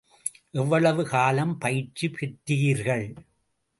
எவ்வளவு காலம் பயிற்சி பெற்றீர்கள்.